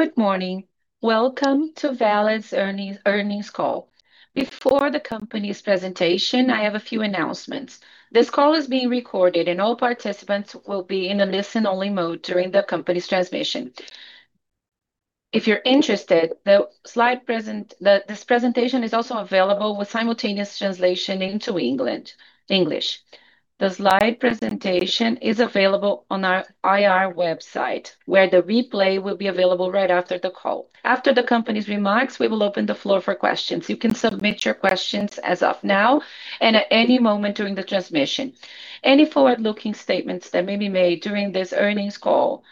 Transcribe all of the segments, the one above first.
Good morning. Welcome to Valid's earnings call. Before the company's presentation, I have a few announcements. This call is being recorded, and all participants will be in a listen-only mode during the company's transmission. If you're interested, this presentation is also available with simultaneous translation into English. The slide presentation is available on our IR website, where the replay will be available right after the call. After the company's remarks, we will open the floor for questions. You can submit your questions as of now and at any moment during the transmission. Any forward-looking statements that may be made during this earnings call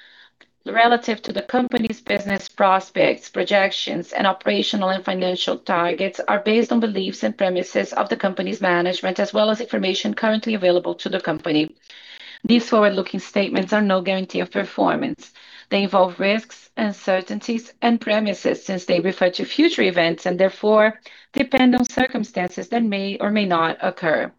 relative to the company's business prospects, projections, and operational and financial targets are based on beliefs and premises of the company's management as well as information currently available to the company. These forward-looking statements are no guarantee of performance. They involve risks, uncertainties, and premises since they refer to future events and therefore depend on circumstances that may or may not occur.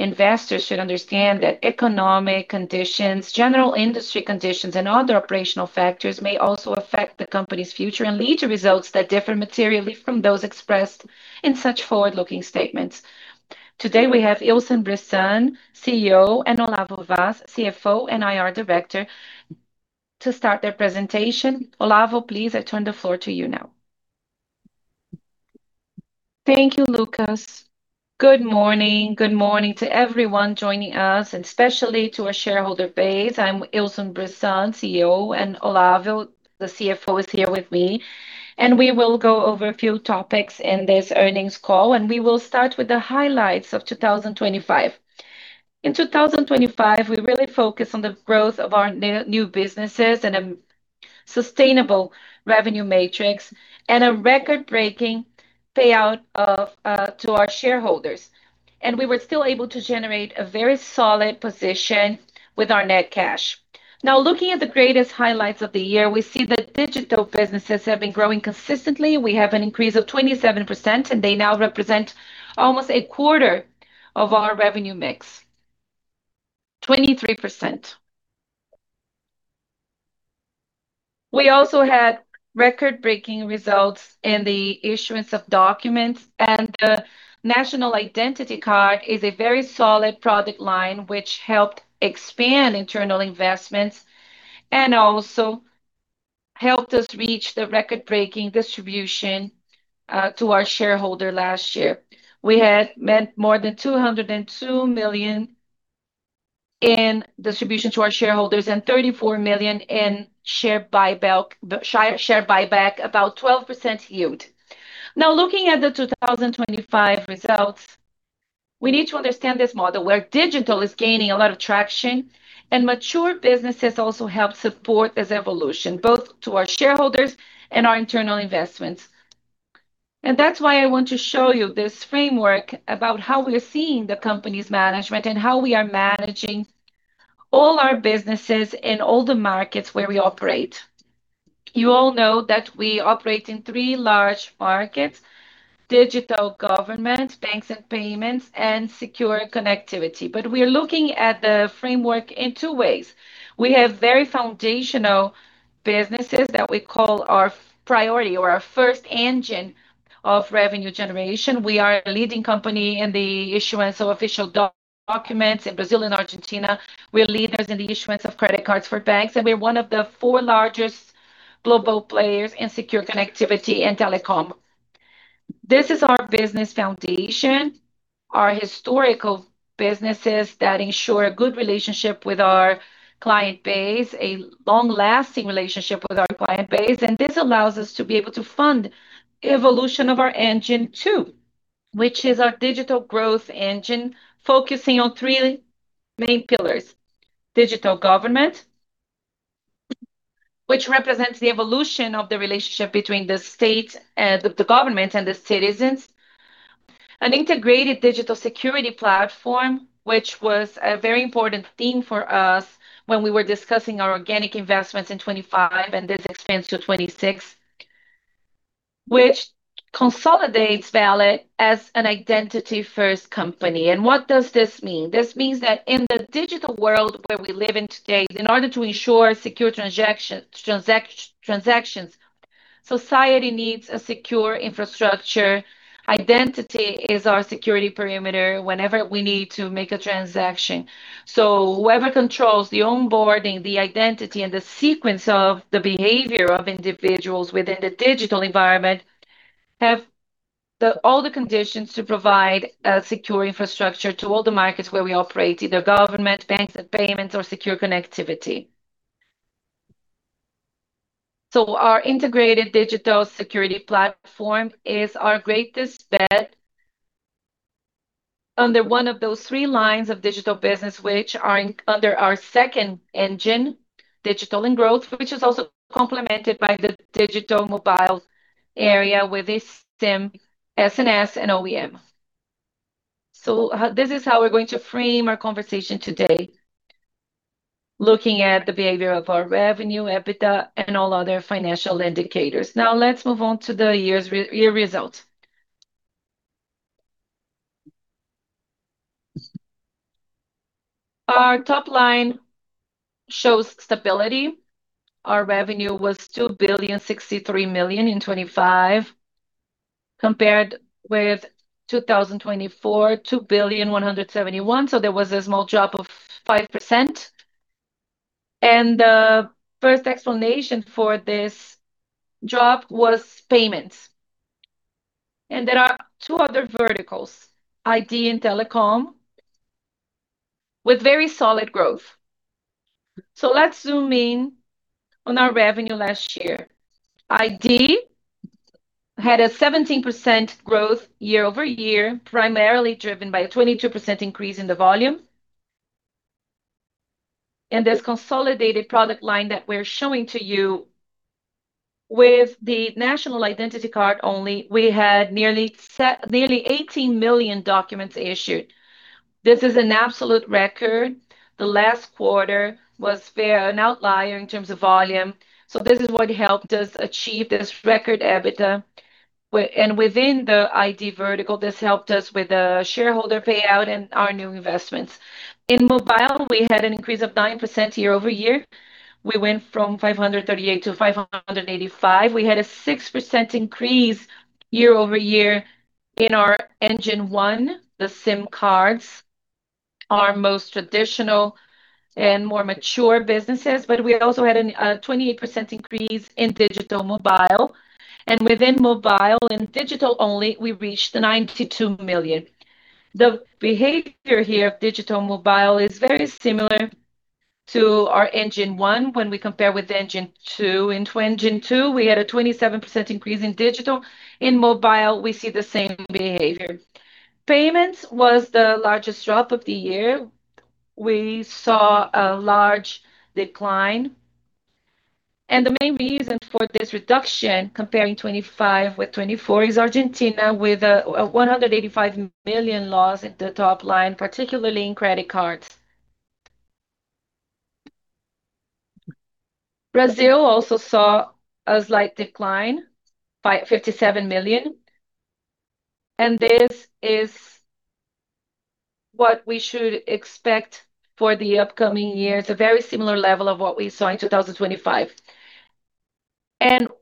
Investors should understand that economic conditions, general industry conditions, and other operational factors may also affect the company's future and lead to results that differ materially from those expressed in such forward-looking statements. Today, we have Ilson Bressan, CEO, and Olavo Vaz, CFO and IR Director to start their presentation. Olavo, please, I turn the floor to you now. Thank you, Lucas. Good morning. Good morning to everyone joining us and especially to our shareholder base. I'm Ilson Bressan, CEO, and Olavo, the CFO, is here with me. We will go over a few topics in this earnings call, and we will start with the highlights of 2025. In 2025, we really focused on the growth of our new businesses and a sustainable revenue matrix and a record-breaking payout to our shareholders. We were still able to generate a very solid position with our net cash. Now looking at the greatest highlights of the year, we see that digital businesses have been growing consistently. We have an increase of 27%, and they now represent almost a quarter of our revenue mix. 23%. We also had record-breaking results in the issuance of documents, and the national identity card is a very solid product line, which helped expand internal investments and also helped us reach the record-breaking distribution to our shareholder last year. We had more than 202 million in distribution to our shareholders and 34 million in share buyback, about 12% yield. Now looking at the 2025 results, we need to understand this model where digital is gaining a lot of traction, and mature businesses also help support this evolution, both to our shareholders and our internal investments. That's why I want to show you this framework about how we are seeing the company's management and how we are managing all our businesses in all the markets where we operate. You all know that we operate in three large markets: digital government, banks and payments, and secure connectivity. We are looking at the framework in two ways. We have very foundational businesses that we call our priority or our first engine of revenue generation. We are a leading company in the issuance of official documents in Brazil and Argentina. We're leaders in the issuance of credit cards for banks, and we're one of the four largest global players in secure connectivity and telecom. This is our business foundation, our historical businesses that ensure a good relationship with our client base, a long-lasting relationship with our client base, and this allows us to be able to fund evolution of our Engine two, which is our digital growth engine, focusing on three main pillars. Digital government, which represents the evolution of the relationship between the government and the citizens. An integrated digital security platform, which was a very important theme for us when we were discussing our organic investments in 2025, and this expands to 2026, which consolidates Valid as an identity-first company. What does this mean? This means that in the digital world where we live in today, in order to ensure secure transactions, society needs a secure infrastructure. Identity is our security perimeter whenever we need to make a transaction. Whoever controls the onboarding, the identity, and the sequence of the behavior of individuals within the digital environment have all the conditions to provide a secure infrastructure to all the markets where we operate, either government, banks and payments, or secure connectivity. Our integrated digital security platform is our greatest bet under one of those three lines of digital business which are under our second engine, digital and growth, which is also complemented by the digital mobile area with eSIM, SNS, and OEM. This is how we're going to frame our conversation today, looking at the behavior of our revenue, EBITDA, and all other financial indicators. Now let's move on to the year's results. Our top line shows stability. Our revenue was 2.063 billion in 2025, compared with 2024, 2.171 billion. There was a small drop of 5%. The first explanation for this drop was payments. There are two other verticals, ID and telecom, with very solid growth. Let's zoom in on our revenue last year. ID had a 17% growth year-over-year, primarily driven by a 22% increase in the volume. In this consolidated product line that we're showing to you, with the national identity card only, we had nearly 18 million documents issued. This is an absolute record. The last quarter was fair, an outlier in terms of volume. This is what helped us achieve this record EBITDA. Within the ID vertical, this helped us with the shareholder payout and our new investments. In mobile, we had an increase of 9% year-over-year. We went from 538 to 585. We had a 6% increase year-over-year in our Engine one, the SIM cards, our most traditional and more mature businesses. We also had a 28% increase in digital mobile. Within mobile, in digital only, we reached 92 million. The behavior here of digital mobile is very similar to our Engine one when we compare with Engine two. In Engine two, we had a 27% increase in digital. In mobile, we see the same behavior. Payments was the largest drop of the year. We saw a large decline. The main reason for this reduction, comparing 2025 with 2024, is Argentina with a 185 million loss at the top line, particularly in credit cards. Brazil also saw a slight decline by 57 million, and this is what we should expect for the upcoming years, a very similar level of what we saw in 2025.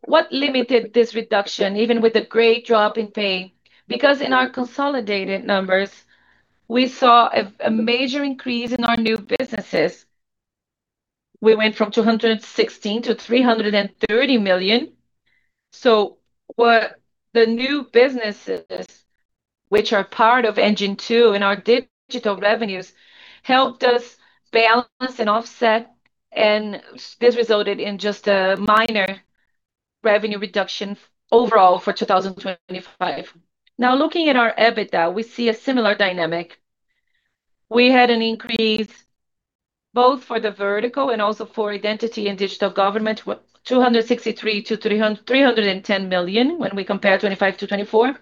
What limited this reduction, even with a great drop in pay? Because in our consolidated numbers, we saw a major increase in our new businesses. We went from 216 million to 330 million. What the new businesses, which are part of Engine two in our digital revenues, helped us balance and offset, and this resulted in just a minor revenue reduction overall for 2025. Now looking at our EBITDA, we see a similar dynamic. We had an increase both for the vertical and also for identity and digital government, 263 million to 310 million when we compare 2025 to 2024.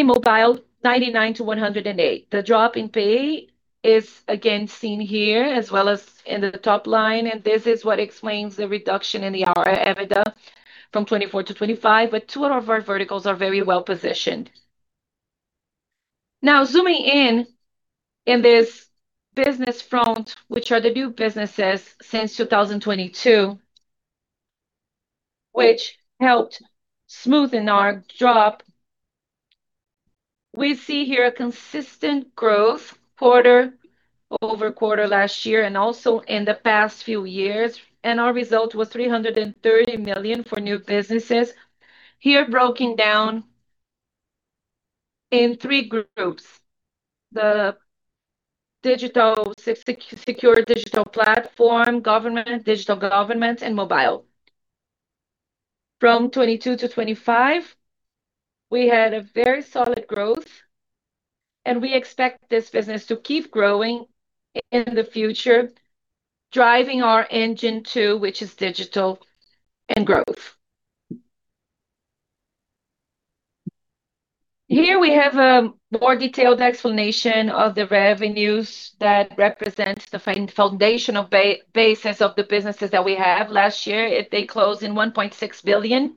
In mobile, 99 million to 108 million. The drop in pay is again seen here as well as in the top line, and this is what explains the reduction in our EBITDA from 2024 to 2025, but two of our verticals are very well-positioned. Now zooming in this business front, which are the new businesses since 2022, which helped smoothen our drop, we see here a consistent growth quarter-over-quarter last year and also in the past few years, and our result was 330 million for new businesses, here broken down in three groups, the secure digital platform, government, digital government, and mobile. From 2022 to 2025, we had a very solid growth, and we expect this business to keep growing in the future, driving our Engine two, which is digital and growth. Here we have a more detailed explanation of the revenues that represents the foundational basis of the businesses that we have last year. They closed at 1.6 billion.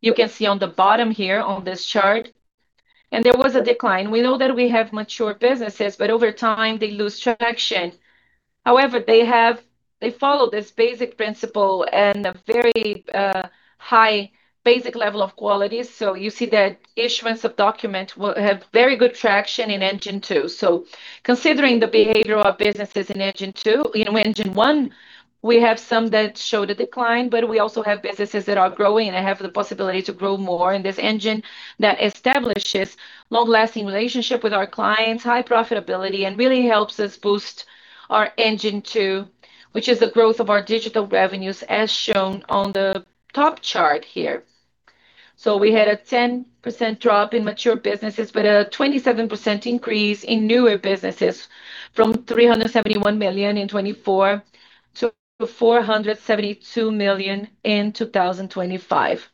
You can see on the bottom here on this chart. There was a decline. We know that we have mature businesses, but over time, they lose traction. However, they follow this basic principle and a very high basic level of quality. You see that issuance of document will have very good traction in Engine two. Considering the behavioral businesses in Engine two, in Engine one, we have some that show the decline, but we also have businesses that are growing and have the possibility to grow more in this engine that establishes long-lasting relationship with our clients, high profitability, and really helps us boost our Engine two, which is the growth of our digital revenues as shown on the top chart here. We had a 10% drop in mature businesses, but a 27% increase in newer businesses from 371 million in 2024 to 472 million in 2025.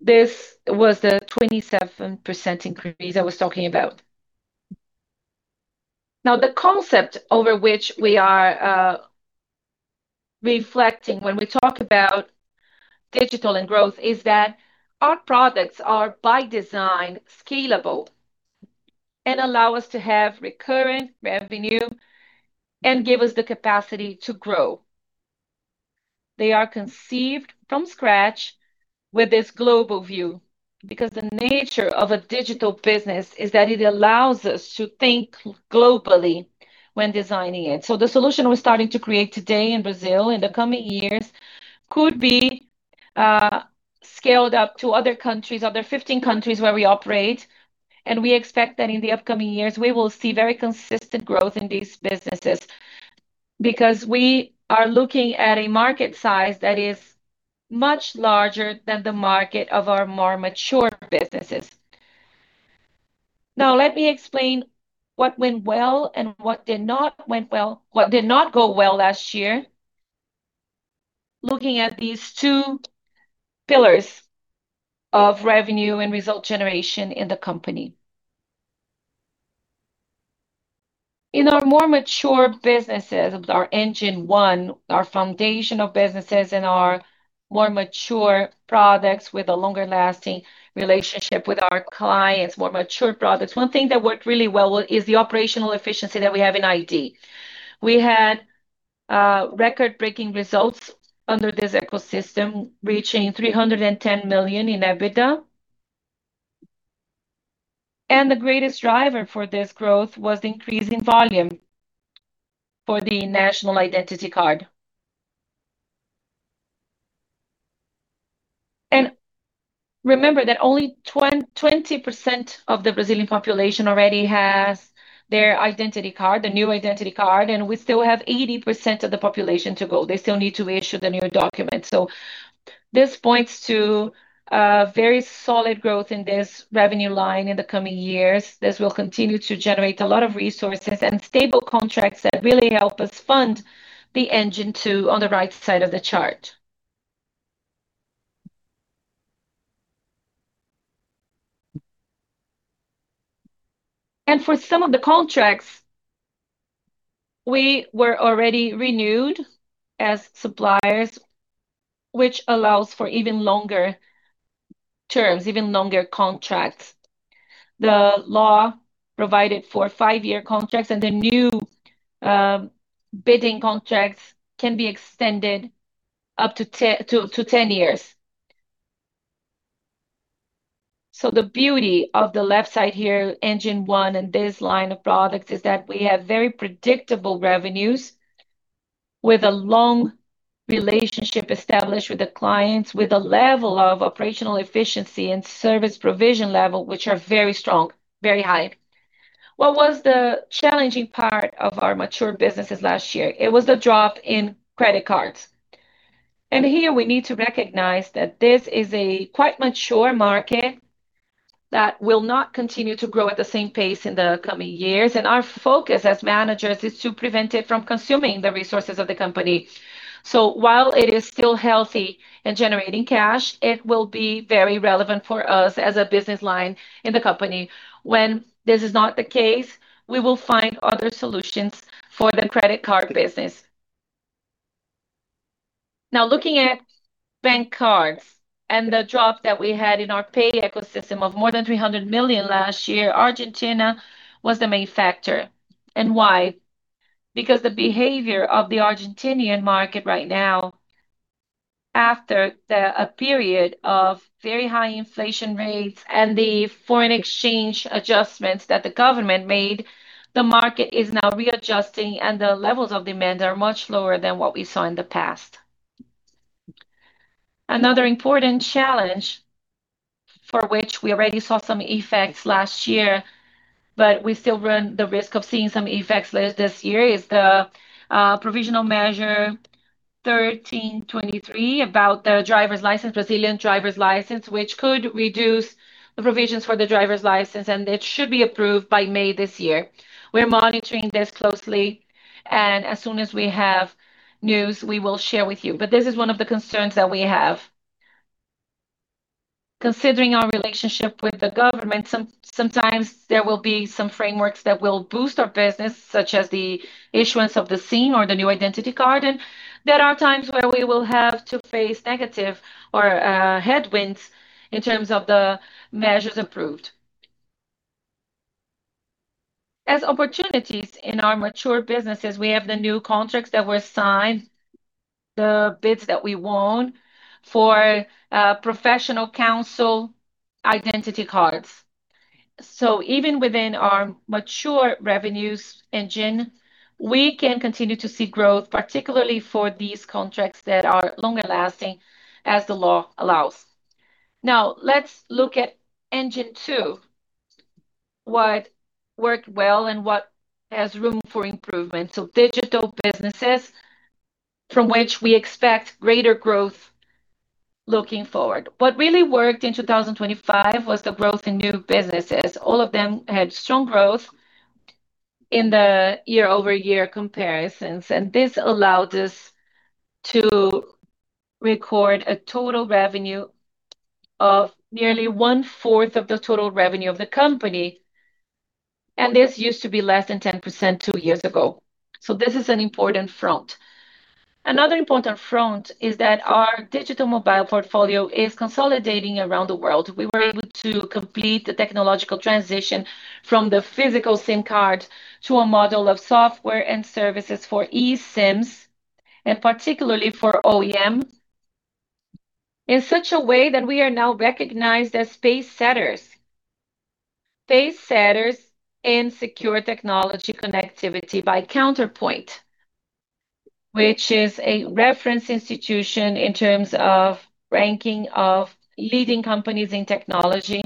This was the 27% increase I was talking about. Now, the concept over which we are reflecting when we talk about digital and growth is that our products are by design scalable and allow us to have recurring revenue and give us the capacity to grow. They are conceived from scratch with this global view, because the nature of a digital business is that it allows us to think globally when designing it. The solution we're starting to create today in Brazil in the coming years could be scaled up to other countries, other 15 countries where we operate, and we expect that in the upcoming years we will see very consistent growth in these businesses. Because we are looking at a market size that is much larger than the market of our more mature businesses. Now let me explain what went well and what did not go well last year, looking at these two pillars of revenue and result generation in the company. In our more mature businesses, our Engine one, our foundational businesses and our more mature products with a longer-lasting relationship with our clients, more mature products. One thing that worked really well is the operational efficiency that we have in ID. We had record-breaking results under this ecosystem, reaching 310 million in EBITDA. The greatest driver for this growth was the increase in volume for the national identity card. Remember that only 20% of the Brazilian population already has their identity card, the new identity card, and we still have 80% of the population to go. They still need to issue the new document. This points to a very solid growth in this revenue line in the coming years. This will continue to generate a lot of resources and stable contracts that really help us fund the engine two on the right side of the chart. For some of the contracts, we were already renewed as suppliers, which allows for even longer terms, even longer contracts. The law provided for five year contracts, and the new bidding contracts can be extended up to 10 years. The beauty of the left side here, engine one and this line of products, is that we have very predictable revenues with a long relationship established with the clients, with a level of operational efficiency and service provision level, which are very strong, very high. What was the challenging part of our mature businesses last year? It was the drop in credit cards. Here we need to recognize that this is a quite mature market that will not continue to grow at the same pace in the coming years, and our focus as managers is to prevent it from consuming the resources of the company. While it is still healthy and generating cash, it will be very relevant for us as a business line in the company. When this is not the case, we will find other solutions for the credit card business. Now looking at bank cards and the drop that we had in our pay ecosystem of more than 300 million last year, Argentina was the main factor. Why? Because the behavior of the Argentine market right now after the period of very high inflation rates and the foreign exchange adjustments that the government made, the market is now readjusting and the levels of demand are much lower than what we saw in the past. Another important challenge for which we already saw some effects last year, but we still run the risk of seeing some effects this year is the Provisional Measure 1323 about the driver's license, Brazilian driver's license, which could reduce the provisions for the driver's license, and it should be approved by May this year. We're monitoring this closely, and as soon as we have news, we will share with you. This is one of the concerns that we have. Considering our relationship with the government, sometimes there will be some frameworks that will boost our business, such as the issuance of the CIN or the new identity card, and there are times where we will have to face negative or headwinds in terms of the measures approved. As opportunities in our mature businesses, we have the new contracts that were signed, the bids that we won for professional council identity cards. Even within our mature revenues engine, we can continue to see growth, particularly for these contracts that are longer-lasting as the law allows. Now let's look at Engine two, what worked well and what has room for improvement. Digital businesses from which we expect greater growth looking forward. What really worked in 2025 was the growth in new businesses. All of them had strong growth in the year-over-year comparisons, and this allowed us to record a total revenue of nearly 1/4 of the total revenue of the company. This used to be less than 10% two years ago. This is an important front. Another important front is that our digital mobile portfolio is consolidating around the world. We were able to complete the technological transition from the physical SIM card to a model of software and services for eSIMs, and particularly for OEM, in such a way that we are now recognized as pacesetters. Pacemakers in secure technology connectivity by Counterpoint Research, which is a reference institution in terms of ranking of leading companies in technology.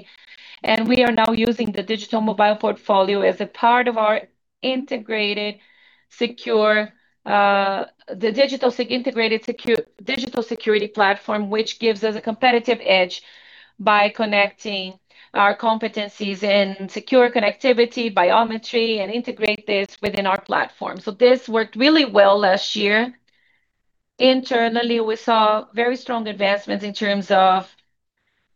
We are now using the digital mobile portfolio as a part of our integrated secure. The digital security platform, which gives us a competitive edge by connecting our competencies in secure connectivity, biometrics, and integration within our platform. This worked really well last year. Internally, we saw very strong advancements in terms of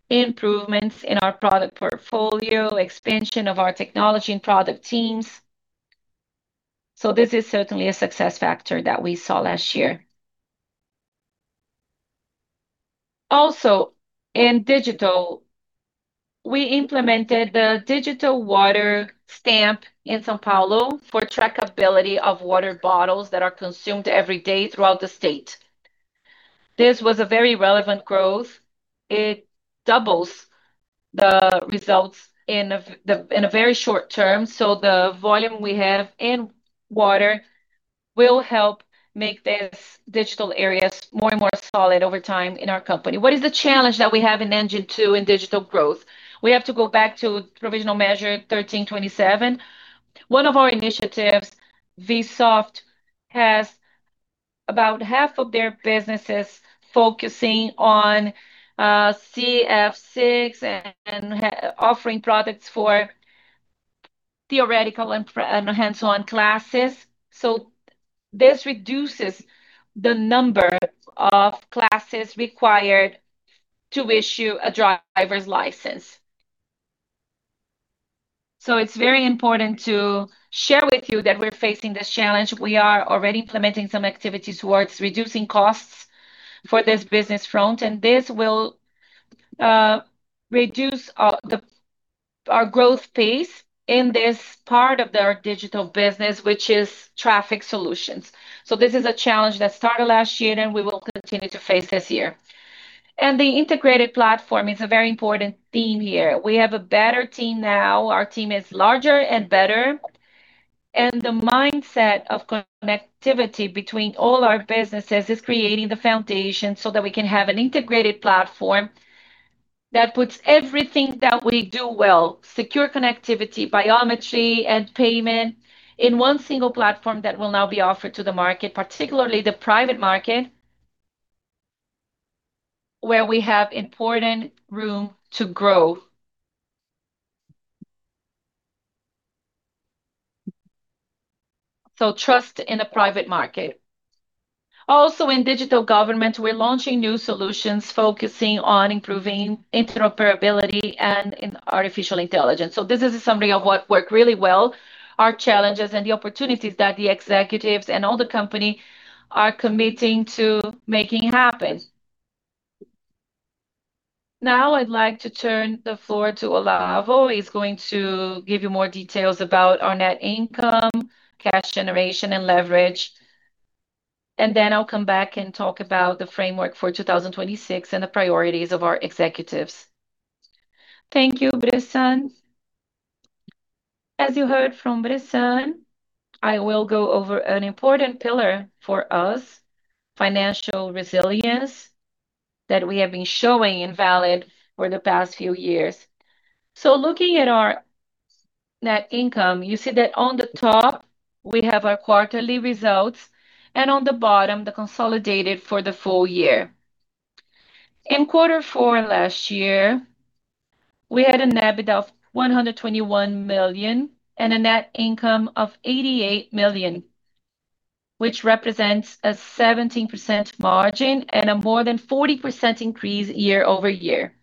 improvements in our product portfolio, expansion of our technology and product teams. This is certainly a success factor that we saw last year. Also, in digital, we implemented the digital water seal in São Paulo for trackability of water bottles that are consumed every day throughout the state. This was a very relevant growth. It doubles the results in a very short term, so the volume we have in water will help make this digital area more and more solid over time in our company. What is the challenge that we have in Engine Two in digital growth? We have to go back to Provisional Measure 1327. One of our initiatives, Vsoft, has about half of their businesses focusing on CFCs and offering products for theoretical and hands-on classes. This reduces the number of classes required to issue a driver's license. It's very important to share with you that we're facing this challenge. We are already implementing some activities towards reducing costs for this business front, and this will reduce our growth pace in this part of our digital business, which is traffic solutions. This is a challenge that started last year, and we will continue to face this year. The integrated platform is a very important theme here. We have a better team now. Our team is larger and better, and the mindset of connectivity between all our businesses is creating the foundation so that we can have an integrated platform that puts everything that we do well, secure connectivity, biometrics, and payment, in one single platform that will now be offered to the market, particularly the private market, where we have important room to grow. Trust in the private market. Also, in digital government, we're launching new solutions focusing on improving interoperability and in artificial intelligence. This is a summary of what worked really well, our challenges, and the opportunities that the executives and all the company are committing to making happen. Now I'd like to turn the floor to Olavo Vaz, who is going to give you more details about our net income, cash generation, and leverage. Then I'll come back and talk about the framework for 2026 and the priorities of our executives. Thank you, Bressan. As you heard from Bressan, I will go over an important pillar for us, financial resilience, that we have been showing in Valid for the past few years. Looking at our net income, you see that on the top we have our quarterly results, and on the bottom, the consolidated for the full year. In quarter four last year, we had an EBITDA of 121 million and a net income of 88 million, which represents a 17% margin and a more than 40% increase year-over-year.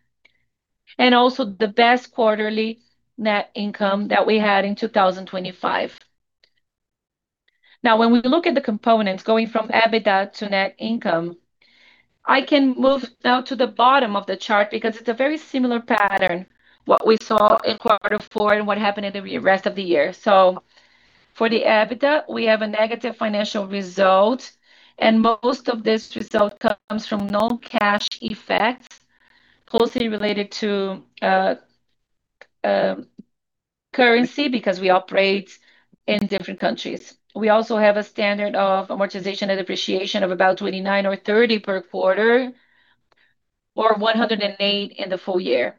Also the best quarterly net income that we had in 2025. Now, when we look at the components going from EBITDA to net income, I can move now to the bottom of the chart because it's a very similar pattern, what we saw in quarter four and what happened in the rest of the year. For the EBITDA, we have a negative financial result, and most of this result comes from non-cash effects closely related to currency because we operate in different countries. We also have a standard of amortization and depreciation of about 29 or 30 per quarter, or 108 in the full year.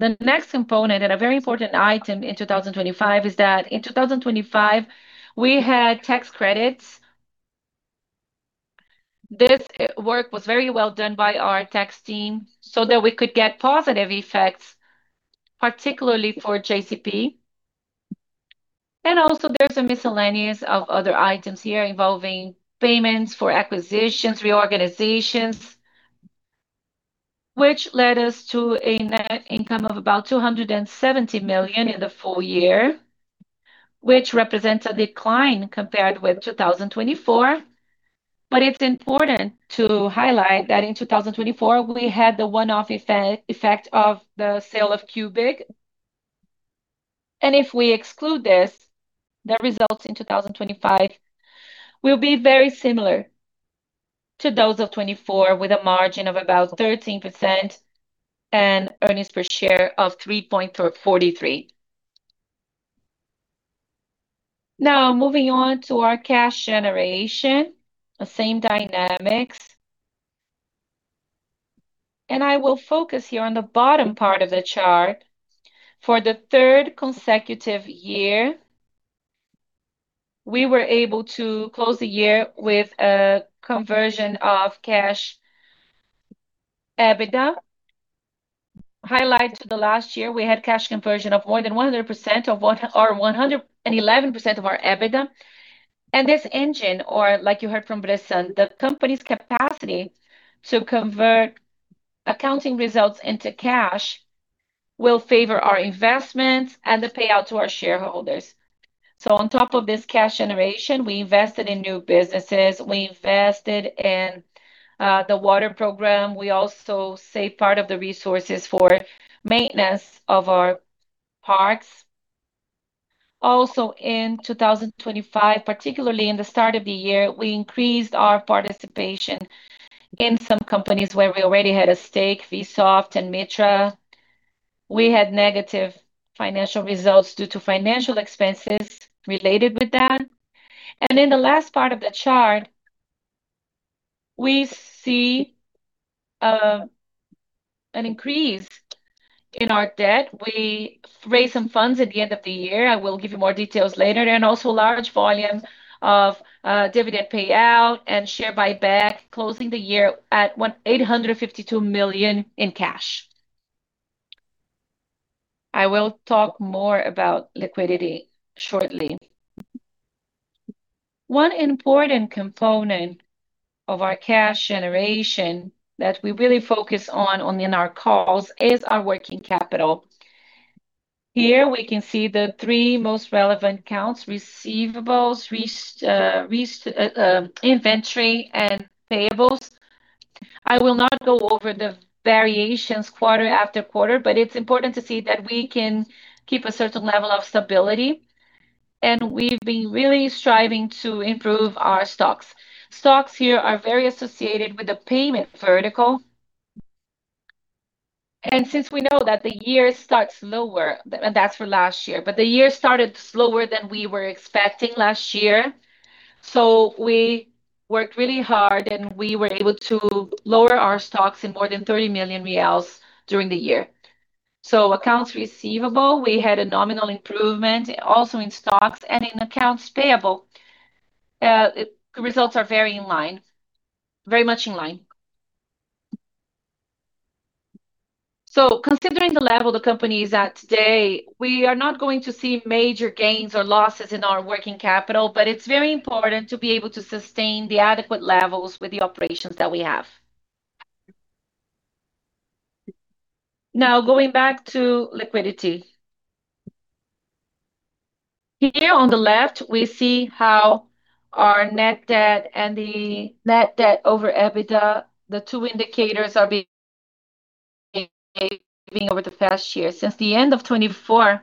The next component, and a very important item in 2025, is that in 2025, we had tax credits. This work was very well done by our tax team so that we could get positive effects, particularly for JCP. Also there's a miscellaneous of other items here involving payments for acquisitions, reorganizations. Which led us to a net income of about 270 million in the full year, which represents a decline compared with 2024. It's important to highlight that in 2024 we had the one-off effect of the sale of Cubic. If we exclude this, the results in 2025 will be very similar to those of 2024, with a margin of about 13% and earnings per share of 3.43. Now, moving on to our cash generation. The same dynamics. I will focus here on the bottom part of the chart. For the third consecutive year, we were able to close the year with a conversion of cash EBITDA. In light of the last year, we had cash conversion of more than 100% or 111% of our EBITDA. This engine, or like you heard from Bressan, the company's capacity to convert accounting results into cash, will favor our investments and the payout to our shareholders. On top of this cash generation, we invested in new businesses, we invested in the water program. We also save part of the resources for maintenance of our parks. Also in 2025, particularly in the start of the year, we increased our participation in some companies where we already had a stake, Vsoft and MITRA. We had negative financial results due to financial expenses related with that. In the last part of the chart, we see an increase in our debt. We raised some funds at the end of the year. I will give you more details later. Also large volume of dividend payout and share buyback, closing the year at 852 million in cash. I will talk more about liquidity shortly. One important component of our cash generation that we really focus on in our calls is our working capital. Here we can see the three most relevant accounts, receivables, inventory and payables. I will not go over the variations quarter after quarter, but it's important to see that we can keep a certain level of stability, and we've been really striving to improve our stocks. Stocks here are very associated with the payment vertical. Since we know that the year starts slower. That's for last year. The year started slower than we were expecting last year. We worked really hard, and we were able to lower our stocks in more than 30 million reais during the year. Accounts receivable, we had a nominal improvement also in stocks. In accounts payable, results are very in line. Very much in line. Considering the level the company is at today, we are not going to see major gains or losses in our working capital, but it's very important to be able to sustain the adequate levels with the operations that we have. Now, going back to liquidity. Here on the left, we see how our net debt and the net debt over EBITDA, the two indicators are over the past year. Since the end of 2024,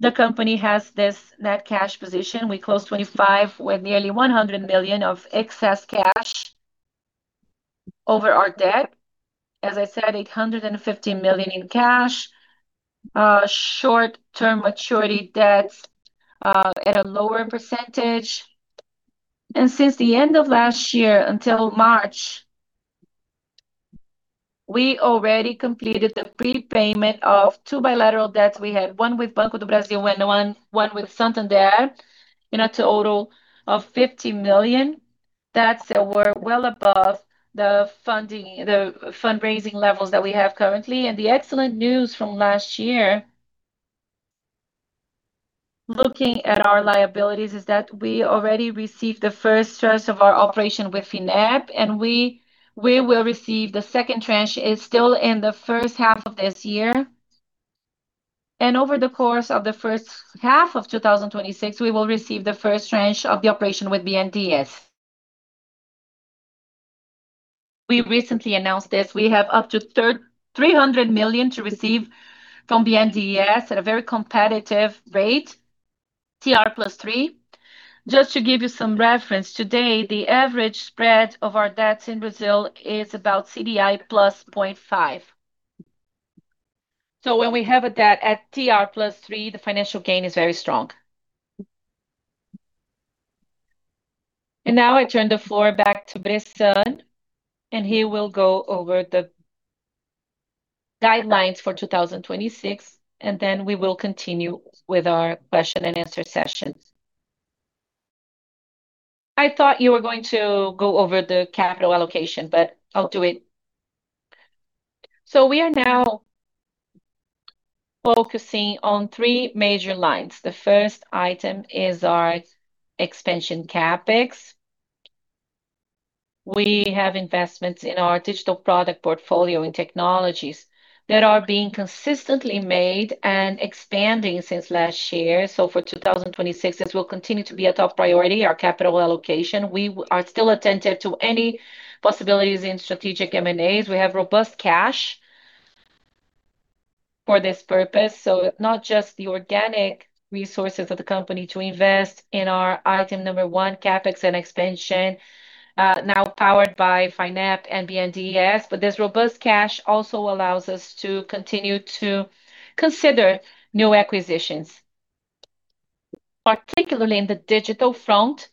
the company has this net cash position. We closed 2025 with nearly 100 million of excess cash over our debt. As I said, 850 million in cash. Short-term maturity debts at a lower percentage. Since the end of last year until March, we already completed the prepayment of two bilateral debts we had. One with Banco do Brasil and one with Santander, in a total of 50 million. That's well above the fundraising levels that we have currently. The excellent news from last year, looking at our liabilities, is that we already received the first tranche of our operation with Finep, and we will receive the second tranche in the first half of this year. Over the course of the first half of 2026, we will receive the first tranche of the operation with BNDES. We recently announced this. We have up to 300 million to receive from BNDES at a very competitive rate, TR + 3. Just to give you some reference, today the average spread of our debts in Brazil is about CDI + 0.5. When we have a debt at TR + 3, the financial gain is very strong. Now I turn the floor back to Bernardo Bressan, and he will go over the guidelines for 2026, and then we will continue with our question and answer session. I thought you were going to go over the capital allocation, but I'll do it. We are now focusing on three major lines. The first item is our expansion CapEx. We have investments in our digital product portfolio and technologies that are being consistently made and expanding since last year. For 2026, this will continue to be a top priority, our capital allocation. We are still attentive to any possibilities in strategic M&As. We have robust cash for this purpose, so not just the organic resources of the company to invest in our item number one, CapEx and expansion, now powered by Finep and BNDES. This robust cash also allows us to continue to consider new acquisitions, particularly in the digital front,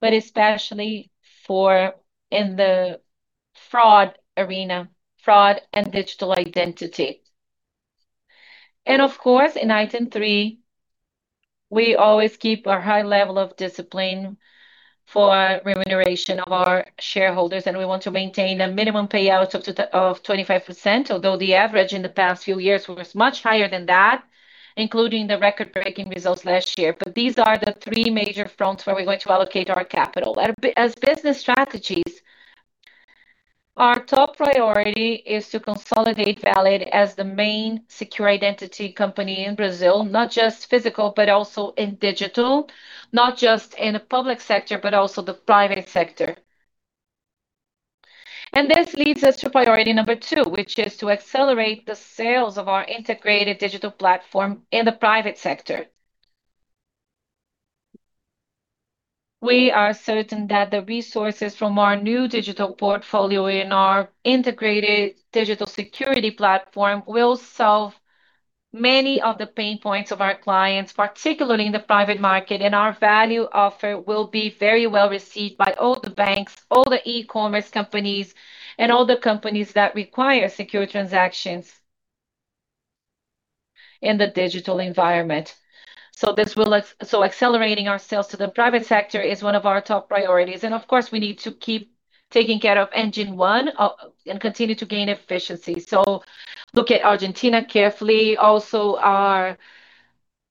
but especially in the fraud arena, fraud and digital identity. Of course, in item three, we always keep a high level of discipline for remuneration of our shareholders, and we want to maintain a minimum payout of 25%, although the average in the past few years was much higher than that, including the record-breaking results last year. These are the three major fronts where we're going to allocate our capital. As business strategies, our top priority is to consolidate Valid as the main secure identity company in Brazil, not just physical, but also in digital, not just in the public sector, but also the private sector. This leads us to priority number two, which is to accelerate the sales of our integrated digital platform in the private sector. We are certain that the resources from our new digital portfolio in our integrated digital security platform will solve many of the pain points of our clients, particularly in the private market, and our value offer will be very well-received by all the banks, all the e-commerce companies, and all the companies that require secure transactions in the digital environment. Accelerating our sales to the private sector is one of our top priorities. Of course, we need to keep taking care of engine one and continue to gain efficiency. Look at Argentina carefully. Also, our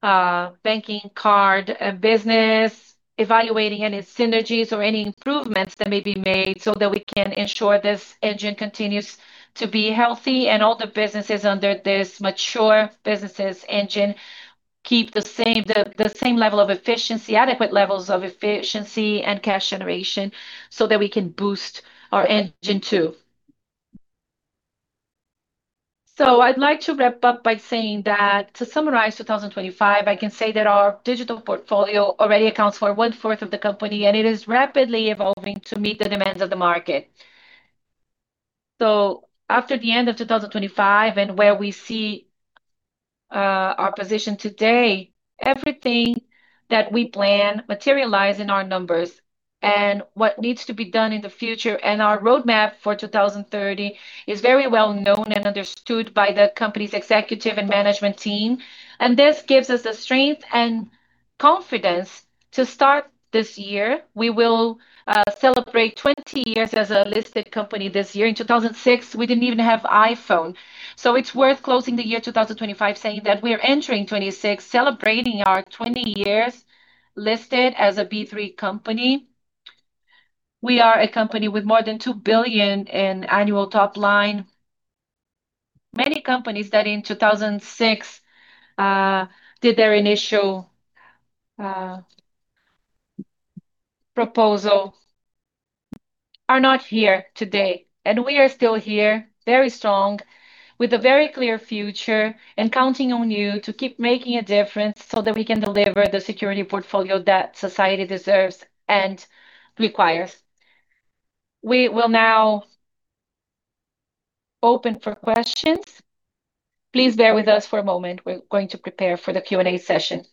banking card business, evaluating any synergies or any improvements that may be made so that we can ensure this engine continues to be healthy and all the businesses under this mature businesses engine keep the same level of efficiency, adequate levels of efficiency and cash generation so that we can boost our engine two. I'd like to wrap up by saying that to summarize 2025, I can say that our digital portfolio already accounts for 1/4 of the company, and it is rapidly evolving to meet the demands of the market. After the end of 2025 and where we see our position today, everything that we plan materialize in our numbers. What needs to be done in the future and our roadmap for 2030 is very well known and understood by the company's executive and management team. This gives us the strength and confidence to start this year. We will celebrate 20 years as a listed company this year. In 2006, we didn't even have iPhone. It's worth closing the year 2025 saying that we are entering 2026 celebrating our 20 years listed as a B3 company. We are a company with more than 2 billion in annual top line. Many companies that in 2006 did their initial proposal are not here today, and we are still here, very strong, with a very clear future and counting on you to keep making a difference so that we can deliver the security portfolio that society deserves and requires. We will now open for questions. Please bear with us for a moment. We're going to prepare for the Q&A session.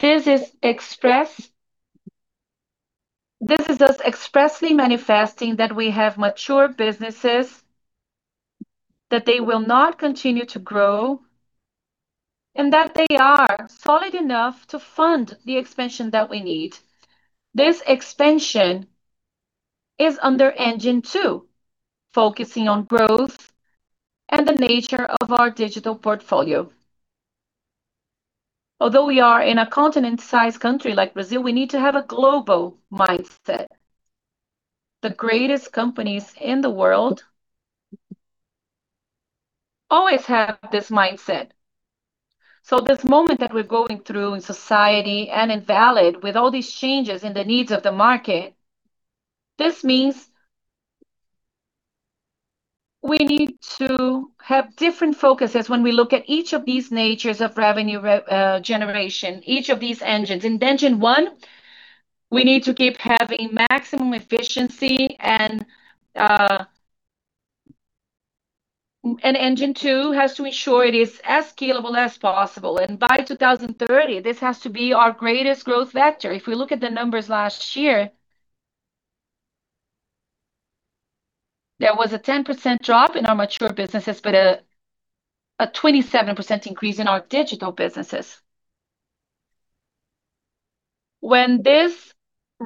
This is us expressly manifesting that we have mature businesses, that they will not continue to grow, and that they are solid enough to fund the expansion that we need. This expansion is under Engine two, focusing on growth and the nature of our digital portfolio. Although we are in a continent-sized country like Brazil, we need to have a global mindset. The greatest companies in the world always have this mindset. This moment that we're going through in society and in Valid with all these changes in the needs of the market, this means we need to have different focuses when we look at each of these natures of revenue generation, each of these engines. In Engine one, we need to keep having maximum efficiency and Engine two has to ensure it is as scalable as possible. By 2030, this has to be our greatest growth vector. If we look at the numbers last year, there was a 10% drop in our mature businesses, but a 27% increase in our digital businesses. When this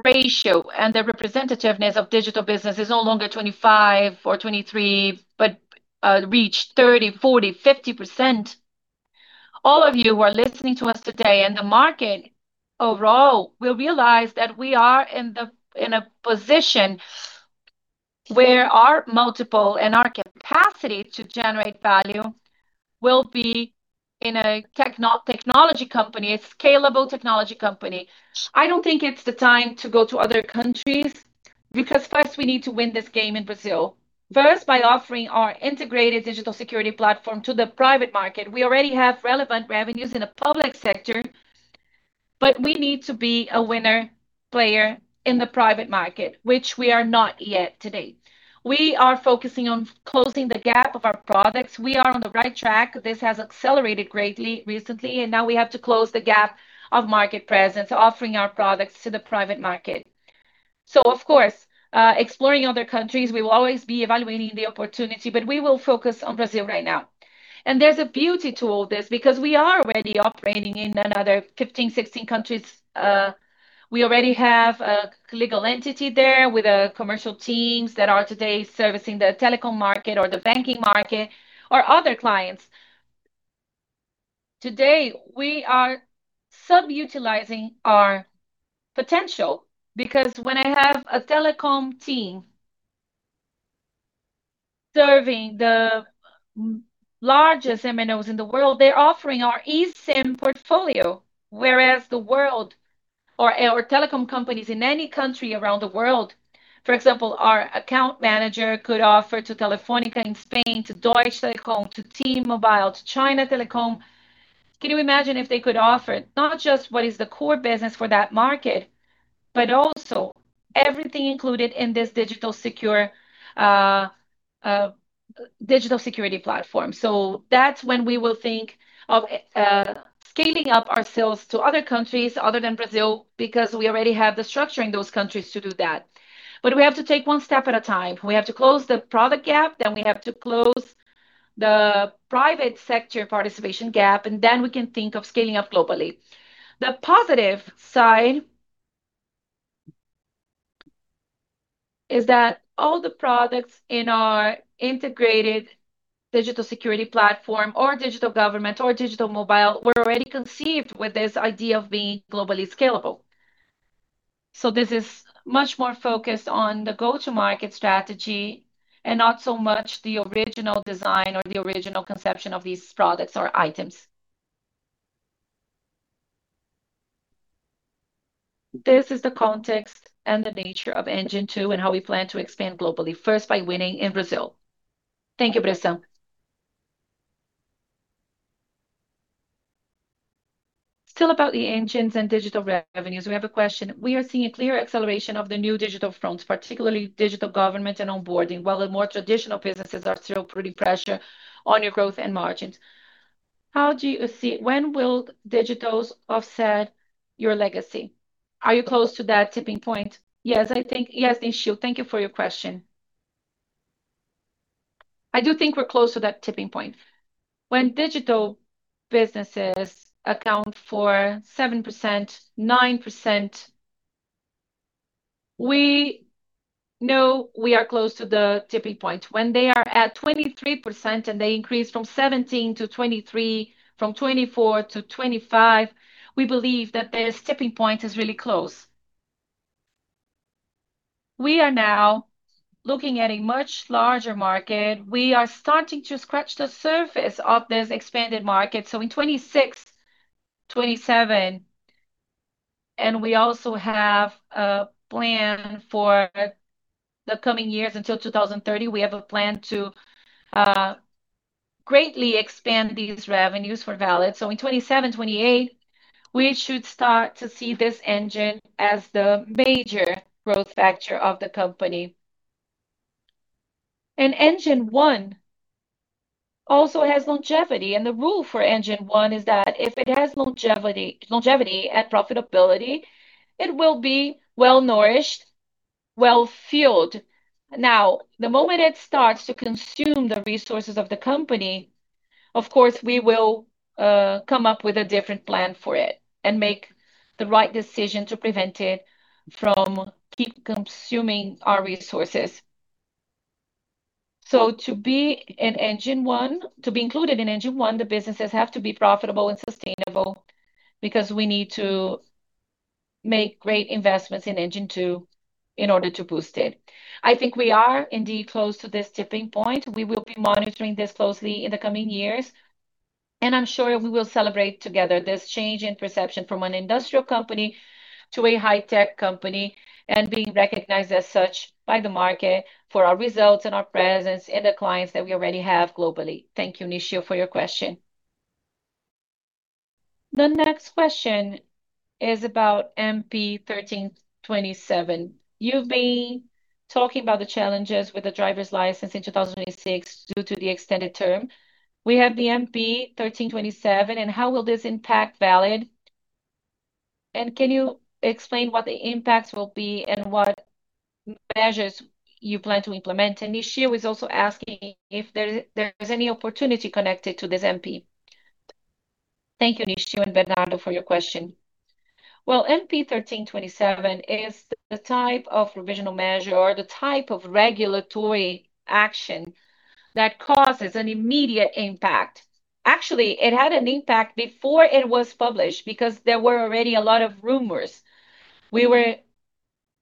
ratio and the representativeness of digital business is no longer 25% or 23%, but reaches 30%, 40%, 50%, all of you who are listening to us today in the market overall will realize that we are in a position where our multiple and our capacity to generate value will be in a technology company, a scalable technology company. I don't think it's the time to go to other countries because first we need to win this game in Brazil. First, by offering our integrated digital security platform to the private market. We already have relevant revenues in the public sector, but we need to be a winning player in the private market, which we are not yet today. We are focusing on closing the gap of our products. We are on the right track. This has accelerated greatly recently, and now we have to close the gap of market presence, offering our products to the private market. Of course, exploring other countries, we will always be evaluating the opportunity, but we will focus on Brazil right now. There's a beauty to all this because we are already operating in another 15, 16 countries. We already have a legal entity there with commercial teams that are today servicing the telecom market or the banking market or other clients. Today, we are underutilizing our potential because when I have a telecom team serving the largest MNOs in the world, they're offering our eSIM portfolio, whereas the world or telecom companies in any country around the world, for example, our account manager could offer to Telefónica in Spain, to Deutsche Telekom, to T-Mobile, to China Telecom. Can you imagine if they could offer it, not just what is the core business for that market, but also everything included in this digital security platform? That's when we will think of scaling up our sales to other countries other than Brazil, because we already have the structure in those countries to do that. We have to take one step at a time. We have to close the product gap, then we have to close the private sector participation gap, and then we can think of scaling up globally. The positive side is that all the products in our integrated digital security platform or digital government or digital mobile were already conceived with this idea of being globally scalable. This is much more focused on the go-to-market strategy and not so much the original design or the original conception of these products or items. This is the context and the nature of Engine two and how we plan to expand globally, first by winning in Brazil. Thank you, Bressan. Still about the engines and digital revenues, we have a question. We are seeing a clear acceleration of the new digital fronts, particularly digital government and onboarding, while the more traditional businesses are still putting pressure on your growth and margins. When will digitals offset your legacy? Yes, I think. Yes, Nishio, thank you for your question. I do think we're close to that tipping point. When digital businesses account for 7%, 9%, we know we are close to the tipping point. When they are at 23% and they increase from 17% to 23%, from 24% to 25%, we believe that this tipping point is really close. We are now looking at a much larger market. We are starting to scratch the surface of this expanded market. In 2026, 2027, we also have a plan for the coming years until 2030. We have a plan to greatly expand these revenues for Valid. In 2027, 2028, we should start to see this Engine as the major growth factor of the company. Engine one also has longevity, and the rule for Engine one is that if it has longevity and profitability, it will be well-nourished, well-fueled. The moment it starts to consume the resources of the company, of course, we will come up with a different plan for it and make the right decision to prevent it from keeping consuming our resources. To be included in Engine one, the businesses have to be profitable and sustainable because we need to make great investments in Engine two in order to boost it. I think we are indeed close to this tipping point. We will be monitoring this closely in the coming years, and I'm sure we will celebrate together this change in perception from an industrial company to a high-tech company, and being recognized as such by the market for our results and our presence in the clients that we already have globally. Thank you, Nishio, for your question. The next question is about MP-1327. You've been talking about the challenges with the driver's license in 2006 due to the extended term. We have the MP-1327, and how will this impact Valid? Can you explain what the impacts will be and what measures you plan to implement? Nishio is also asking if there is any opportunity connected to this MP. Thank you, Nishio and Bernardo, for your question. Well, MP-1327 is the type of provisional measure or the type of regulatory action that causes an immediate impact. Actually, it had an impact before it was published because there were already a lot of rumors. We were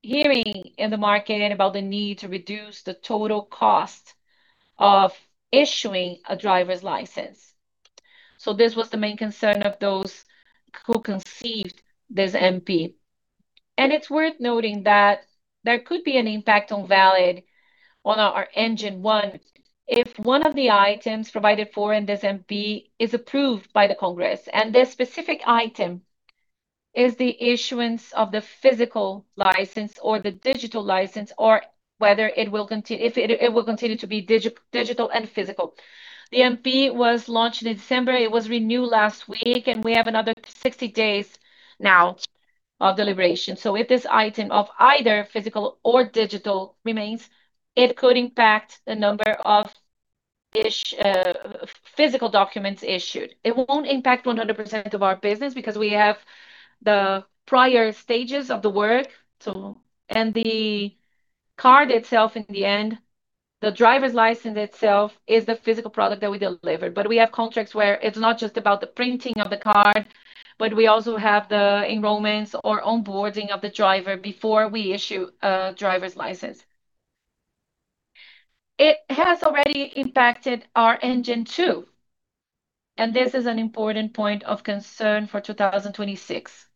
hearing in the market about the need to reduce the total cost of issuing a driver's license. This was the main concern of those who conceived this MP. It's worth noting that there could be an impact on Valid on our Engine One if one of the items provided for in this MP is approved by the Congress. This specific item is the issuance of the physical license or the digital license, or whether it will continue to be digital and physical. The MP was launched in December. It was renewed last week, and we have another 60 days of deliberation. If this item of either physical or digital remains, it could impact the number of physical documents issued. It won't impact 100% of our business because we have the prior stages of the work. The card itself, in the end, the driver's license itself is the physical product that we deliver, but we have contracts where it's not just about the printing of the card, but we also have the enrollments or onboarding of the driver before we issue a driver's license. It has already impacted our Engine two, and this is an important point of concern for 2026.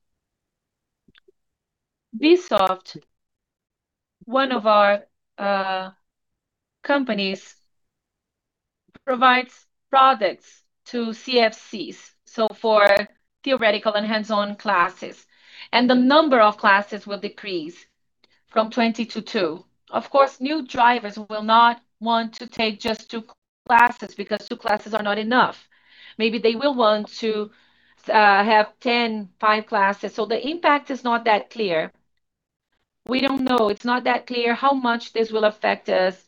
Vsoft, one of our companies, provides products to CFCs, so for theoretical and hands-on classes. The number of classes will decrease from 20 to two. Of course, new drivers will not want to take just two classes because two classes are not enough. Maybe they will want to have 10, five classes. The impact is not that clear. We don't know. It's not that clear how much this will affect us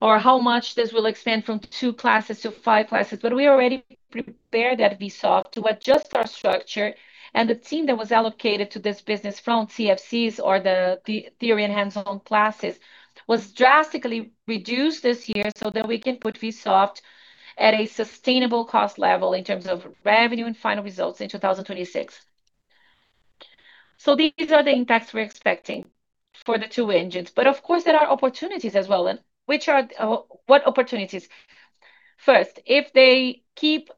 or how much this will expand from two classes to five classes. We already prepared at Vsoft to adjust our structure, and the team that was allocated to this business from CFCs or the theory and hands-on classes was drastically reduced this year so that we can put Vsoft at a sustainable cost level in terms of revenue and final results in 2026. These are the impacts we're expecting for the two engines. Of course, there are opportunities as well. What opportunities? First, if they keep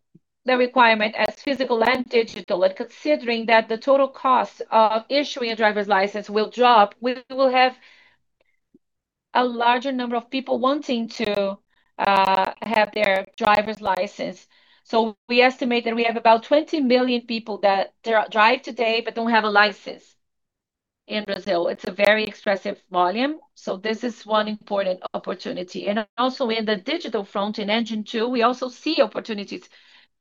the requirement as physical and digital and considering that the total cost of issuing a driver's license will drop, we will have a larger number of people wanting to have their driver's license. We estimate that we have about 20 million people that they drive today but don't have a license in Brazil. It's a very expressive volume, so this is one important opportunity. Also in the digital front, in Engine two, we also see opportunities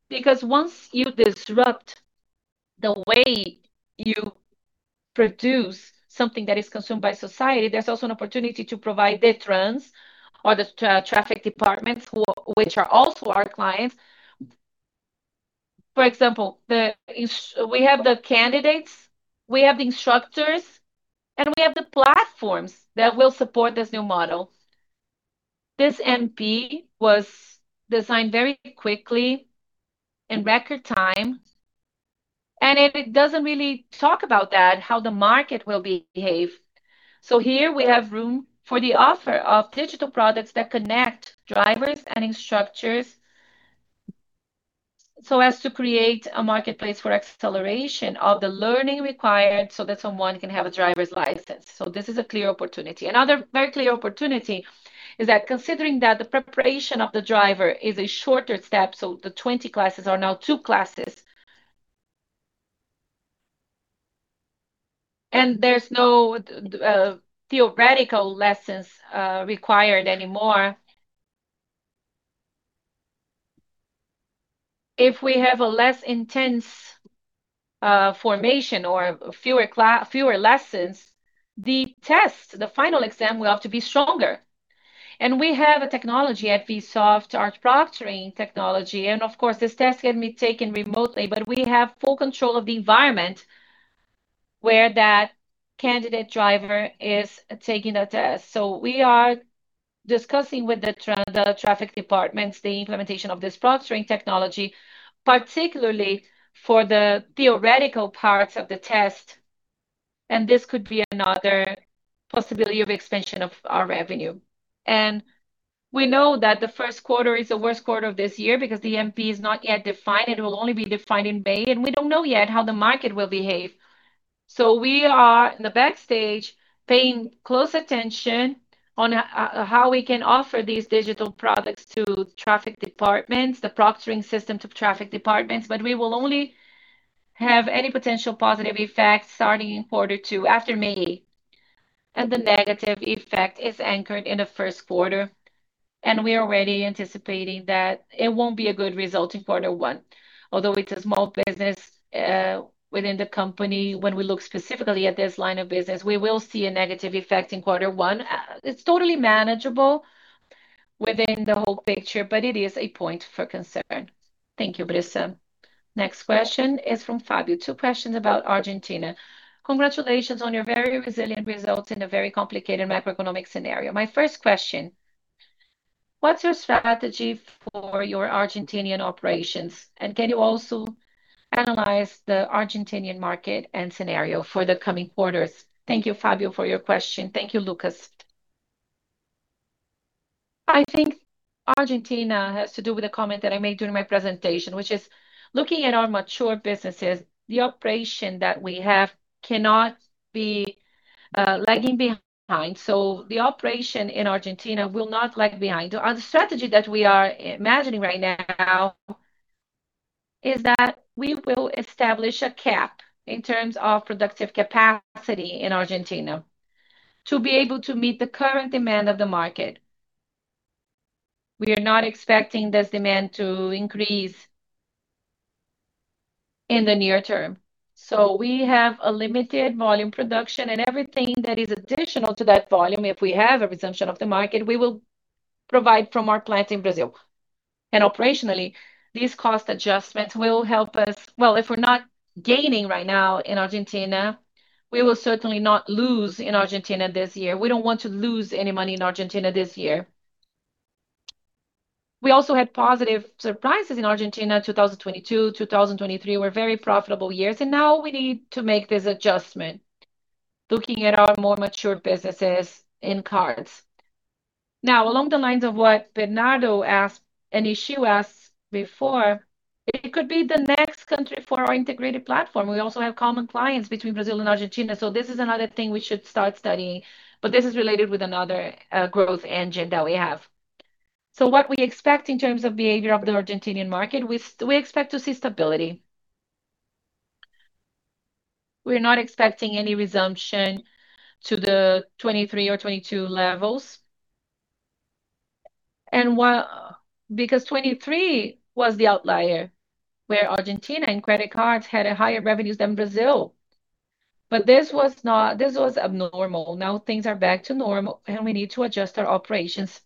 because once you disrupt the way you produce something that is consumed by society, there's also an opportunity to provide DETRANs or the traffic departments which are also our clients. For example, we have the candidates, we have the instructors, and we have the platforms that will support this new model. This MP was designed very quickly, in record time, and it doesn't really talk about that, how the market will behave. Here we have room for the offer of digital products that connect drivers and instructors so as to create a marketplace for acceleration of the learning required so that someone can have a driver's license. This is a clear opportunity. Another very clear opportunity is that considering that the preparation of the driver is a shorter step, so the 20 classes are now two classes. There's no theoretical lessons required anymore. If we have a less intense formation or fewer classes, fewer lessons, the test, the final exam will have to be stronger. We have a technology at Vsoft, our proctoring technology, and of course, this test can be taken remotely. We have full control of the environment where that candidate driver is taking the test. We are discussing with the traffic departments the implementation of this proctoring technology, particularly for the theoretical parts of the test, and this could be another possibility of expansion of our revenue. We know that the first quarter is the worst quarter of this year because the MP is not yet defined. It will only be defined in May, and we don't know yet how the market will behave. We are in the back seat paying close attention on how we can offer these digital products to traffic departments, the proctoring system to traffic departments. We will only have any potential positive effect starting in quarter two, after May. The negative effect is anchored in the first quarter, and we're already anticipating that it won't be a good result in quarter one. Although it's a small business within the company, when we look specifically at this line of business, we will see a negative effect in quarter one. It's totally manageable within the whole picture, but it is a point for concern. Thank you, Bressan. Next question is from Fabio. Two questions about Argentina. "Congratulations on your very resilient results in a very complicated macroeconomic scenario. My first question: What's your strategy for your Argentinian operations, and can you also analyze the Argentinian market and scenario for the coming quarters?" Thank you, Fabio, for your question. Thank you, Lucas. I think Argentina has to do with a comment that I made during my presentation, which is looking at our mature businesses. The operation that we have cannot be lagging behind. The operation in Argentina will not lag behind. The strategy that we are imagining right now is that we will establish a cap in terms of productive capacity in Argentina to be able to meet the current demand of the market. We are not expecting this demand to increase in the near term. We have a limited volume production, and everything that is additional to that volume, if we have a resumption of the market, we will provide from our plant in Brazil. Operationally, these cost adjustments will help us. Well, if we're not gaining right now in Argentina, we will certainly not lose in Argentina this year. We don't want to lose any money in Argentina this year. We also had positive surprises in Argentina. 2022, 2023 were very profitable years, and now we need to make this adjustment, looking at our more mature businesses in cards. Now, along the lines of what Bernardo asked and Nishio asked before, it could be the next country for our integrated platform. We also have common clients between Brazil and Argentina, so this is another thing we should start studying, but this is related with another growth engine that we have. What we expect in terms of behavior of the Argentine market, we expect to see stability. We're not expecting any resumption to the 2023 or 2022 levels. Because 2023 was the outlier where Argentina and credit cards had a higher revenues than Brazil. This was abnormal. Now things are back to normal and we need to adjust our operations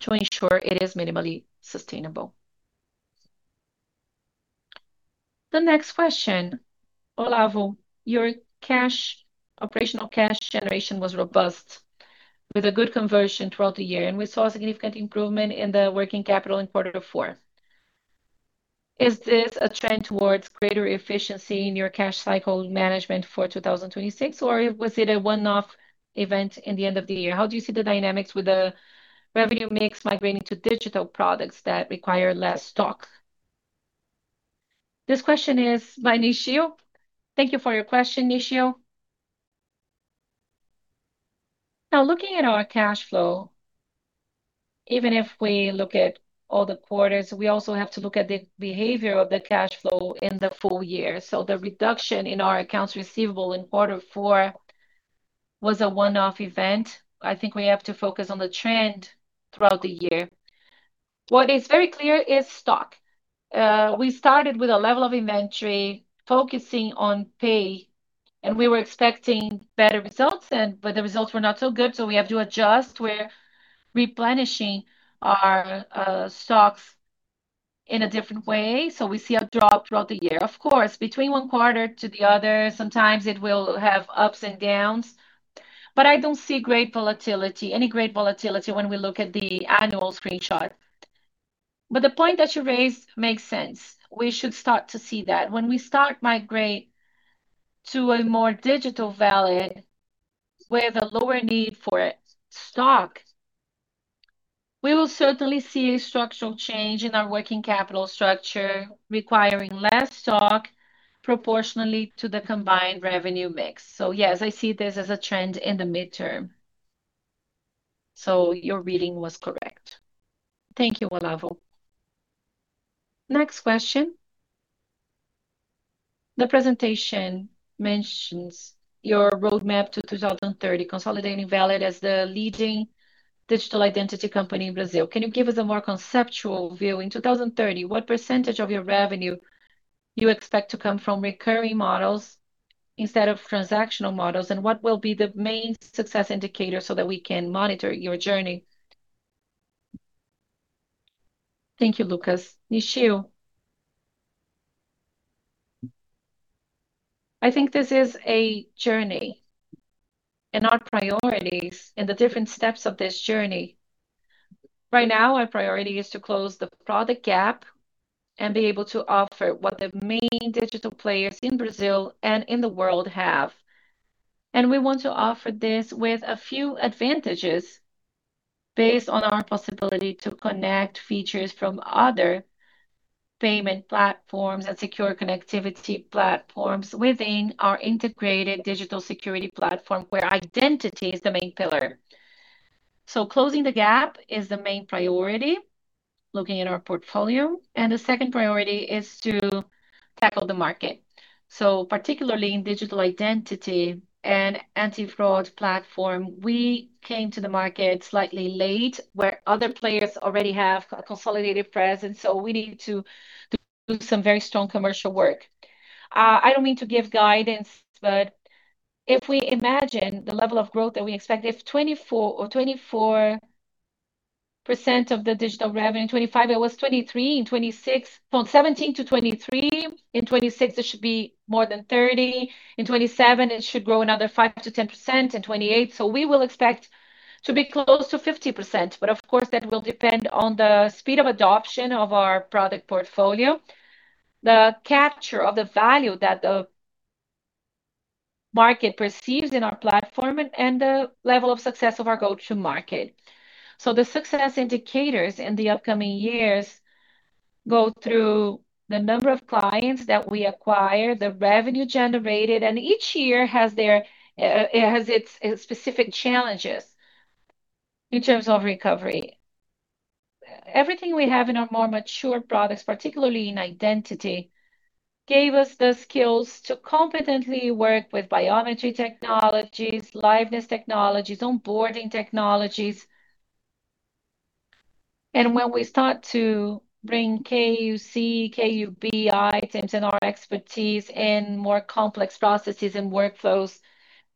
to ensure it is minimally sustainable. The next question. Olavo, your cash operational cash generation was robust with a good conversion throughout the year, and we saw a significant improvement in the working capital in quarter four. Is this a trend towards greater efficiency in your cash cycle management for 2026, or was it a one-off event in the end of the year? How do you see the dynamics with the revenue mix migrating to digital products that require less stock? This question is by Nishio. Thank you for your question, Nishio. Now, looking at our cash flow, even if we look at all the quarters, we also have to look at the behavior of the cash flow in the full year. The reduction in our accounts receivable in quarter four was a one-off event. I think we have to focus on the trend throughout the year. What is very clear is stock. We started with a level of inventory focusing on pay, and we were expecting better results, but the results were not so good, so we have to adjust. We're replenishing our stocks in a different way. We see a drop throughout the year. Of course, between one quarter to the other, sometimes it will have ups and downs, but I don't see great volatility when we look at the annual snapshot. The point that you raised makes sense. We should start to see that. When we start migrate to a more digital Valid with a lower need for stock, we will certainly see a structural change in our working capital structure, requiring less stock proportionally to the combined revenue mix. Yes, I see this as a trend in the mid-term. Your reading was correct. Thank you, Olavo. Next question. The presentation mentions your roadmap to 2030, consolidating Valid as the leading digital identity company in Brazil. Can you give us a more conceptual view? In 2030, what percentage of your revenue you expect to come from recurring models instead of transactional models? And what will be the main success indicator so that we can monitor your journey? Thank you, Lucas. Nishio. I think this is a journey, and our priorities in the different steps of this journey. Right now, our priority is to close the product gap and be able to offer what the main digital players in Brazil and in the world have. We want to offer this with a few advantages based on our possibility to connect features from other payment platforms and secure connectivity platforms within our integrated digital security platform where identity is the main pillar. Closing the gap is the main priority, looking at our portfolio. The second priority is to tackle the market. Particularly in digital identity and anti-fraud platform, we came to the market slightly late, where other players already have a consolidated presence, so we need to do some very strong commercial work. I don't mean to give guidance, but if we imagine the level of growth that we expect, 24% of the digital revenue, 2025, it was 23% in 2026. From 17% to 23%, in 2026 it should be more than 30%. In 2027 it should grow another 5%-10%, in 2028. We will expect to be close to 50%. Of course, that will depend on the speed of adoption of our product portfolio, the capture of the value that the market perceives in our platform and the level of success of our go-to-market. The success indicators in the upcoming years go through the number of clients that we acquire, the revenue generated. Each year has its specific challenges in terms of recovery. Everything we have in our more mature products, particularly in identity, gave us the skills to competently work with biometric technologies, liveness technologies, onboarding technologies. When we start to bring KYC, KYB into our expertise in more complex processes and workflows,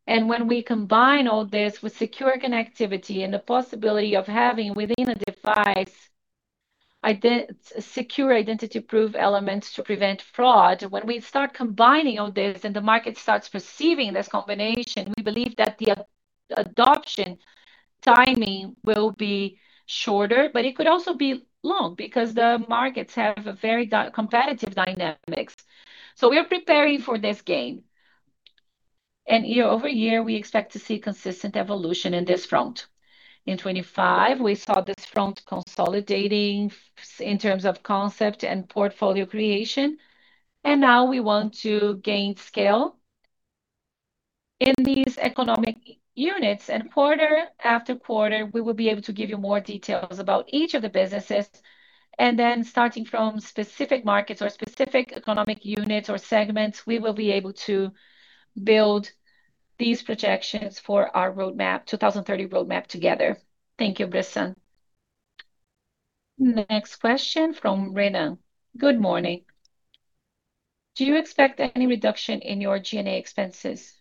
and when we combine all this with secure connectivity and the possibility of having within a device secure identity proof elements to prevent fraud. When we start combining all this and the market starts perceiving this combination, we believe that the adoption timing will be shorter, but it could also be long because the markets have very diverse competitive dynamics. We are preparing for this game. Year over year, we expect to see consistent evolution in this front. In 2025, we saw this front consolidating in terms of concept and portfolio creation, and now we want to gain scale in these economic units, and quarter after quarter, we will be able to give you more details about each of the businesses. Starting from specific markets or specific economic units or segments, we will be able to build these projections for our roadmap, 2030 roadmap together. Thank you, Bressan. Next question from Rena. Good morning. Do you expect any reduction in your G&A expenses?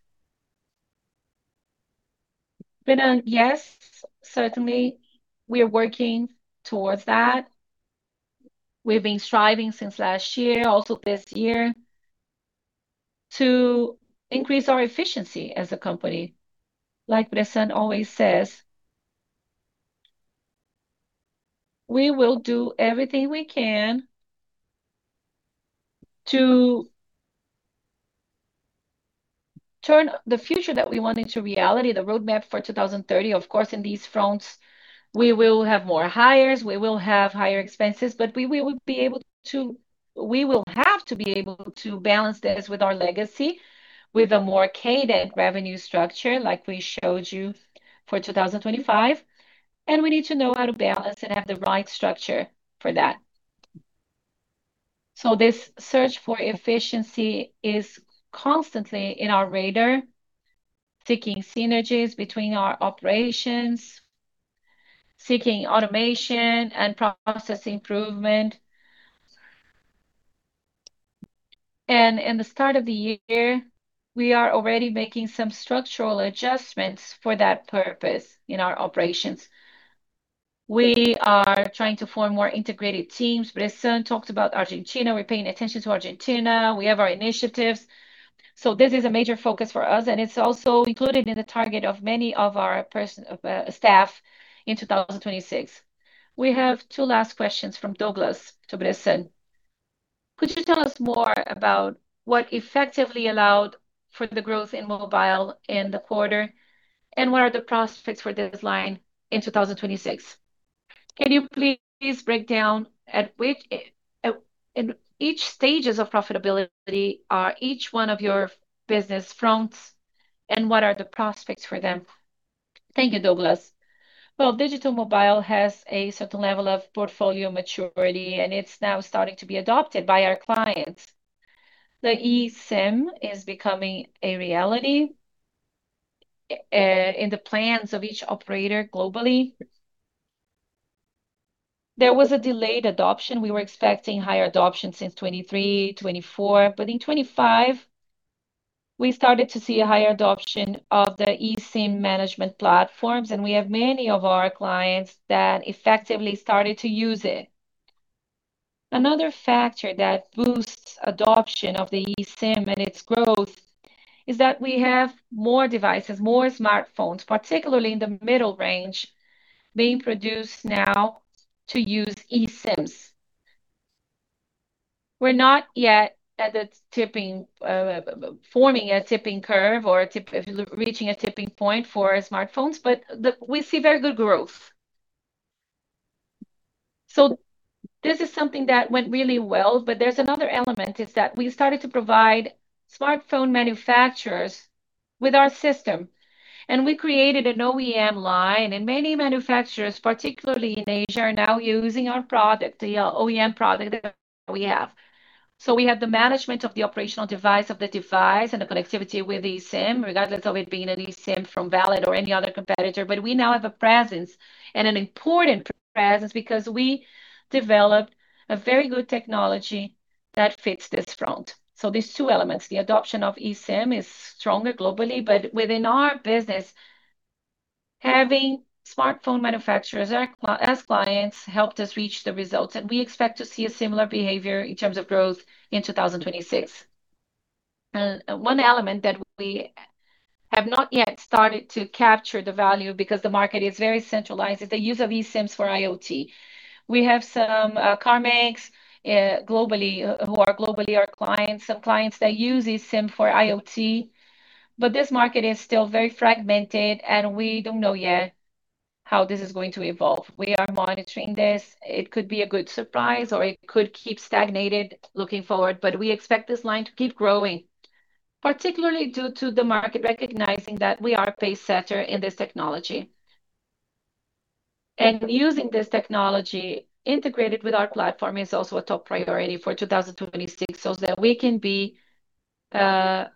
Rena, yes, certainly, we are working towards that. We've been striving since last year, also this year, to increase our efficiency as a company. Like Bressan always says, we will do everything we can to turn the future that we want into reality, the roadmap for 2030. Of course, in these fronts, we will have more hires, we will have higher expenses, but we will have to be able to balance this with our legacy, with a more cadent revenue structure like we showed you for 2025, and we need to know how to balance and have the right structure for that. This search for efficiency is constantly in our radar, seeking synergies between our operations, seeking automation and process improvement. In the start of the year, we are already making some structural adjustments for that purpose in our operations. We are trying to form more integrated teams. Bressan talked about Argentina. We're paying attention to Argentina. We have our initiatives. This is a major focus for us, and it's also included in the target of many of our personnel in 2026. We have two last questions from Douglas to Bressan. Could you tell us more about what effectively allowed for the growth in mobile in the quarter, and what are the prospects for this line in 2026? Can you please break down at which stages of profitability are each one of your business fronts, and what are the prospects for them? Thank you, Douglas. Well, digital mobile has a certain level of portfolio maturity, and it's now starting to be adopted by our clients. The eSIM is becoming a reality in the plans of each operator globally. There was a delayed adoption. We were expecting higher adoption since 2023, 2024, but in 2025, we started to see a higher adoption of the eSIM management platforms, and we have many of our clients that effectively started to use it. Another factor that boosts adoption of the eSIM and its growth is that we have more devices, more smartphones, particularly in the middle range, being produced now to use eSIMs. We're not yet at the tipping, forming a tipping curve or reaching a tipping point for smartphones, but we see very good growth. This is something that went really well. There's another element, is that we started to provide smartphone manufacturers with our system. We created an OEM line, and many manufacturers, particularly in Asia, are now using our product, the OEM product that we have. We have the management of the operational device of the device and the connectivity with eSIM, regardless of it being an eSIM from Valid or any other competitor. We now have a presence, and an important presence because we developed a very good technology that fits this front. These two elements, the adoption of eSIM is stronger globally, but within our business, having smartphone manufacturers as clients helped us reach the results, and we expect to see a similar behavior in terms of growth in 2026. One element that we have not yet started to capture the value because the market is very centralized is the use of eSIMs for IoT. We have some car makers globally who are globally our clients, some clients that use eSIM for IoT, but this market is still very fragmented, and we don't know yet how this is going to evolve. We are monitoring this. It could be a good surprise or it could keep stagnant looking forward, but we expect this line to keep growing, particularly due to the market recognizing that we are a pacesetter in this technology. Using this technology integrated with our platform is also a top priority for 2026, so that we can be a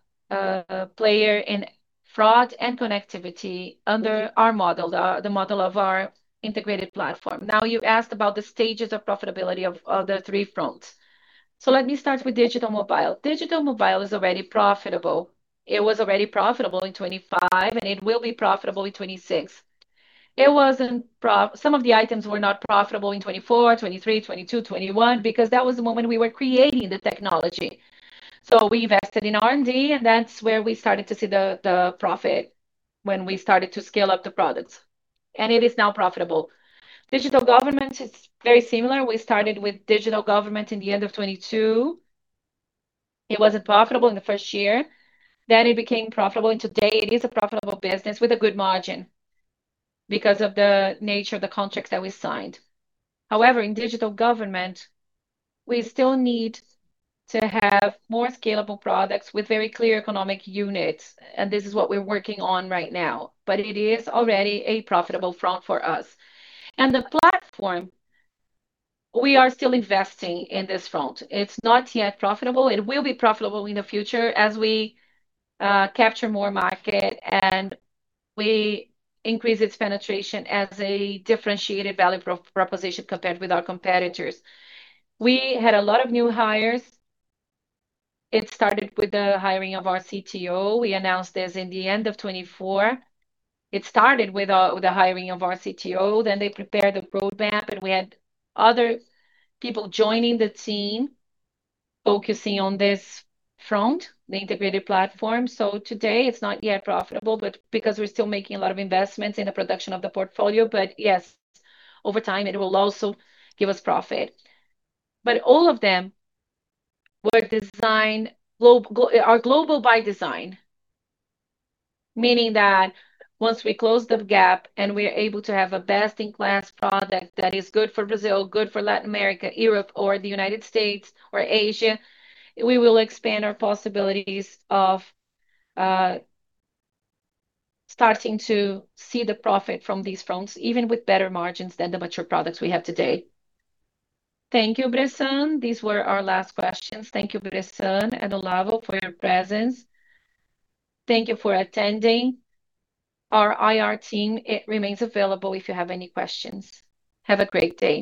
player in fraud and connectivity under our model, the model of our integrated platform. Now, you asked about the stages of profitability of the three fronts. Let me start with digital mobile. Digital mobile is already profitable. It was already profitable in 2025, and it will be profitable in 2026. Some of the items were not profitable in 2024, 2023, 2022, 2021 because that was the moment we were creating the technology. We invested in R&D, and that's where we started to see the profit when we started to scale up the products, and it is now profitable. Digital government is very similar. We started with digital government in the end of 2022. It wasn't profitable in the first year, then it became profitable, and today it is a profitable business with a good margin because of the nature of the contracts that we signed. However, in digital government, we still need to have more scalable products with very clear unit economics, and this is what we're working on right now, but it is already a profitable front for us. The platform, we are still investing in this front. It's not yet profitable. It will be profitable in the future as we capture more market and we increase its penetration as a differentiated value proposition compared with our competitors. We had a lot of new hires. It started with the hiring of our CTO. We announced this in the end of 2024. It started with the hiring of our CTO, then they prepared the roadmap, and we had other people joining the team, focusing on this front, the integrated platform. Today it's not yet profitable, but because we're still making a lot of investments in the production of the portfolio. Yes, over time it will also give us profit. All of them are global by design, meaning that once we close the gap and we're able to have a best-in-class product that is good for Brazil, good for Latin America, Europe or the United States or Asia, we will expand our possibilities of starting to see the profit from these fronts, even with better margins than the mature products we have today. Thank you, Bressan. These were our last questions. Thank you, Bressan and Olavo for your presence. Thank you for attending. Our IR team, it remains available if you have any questions. Have a great day.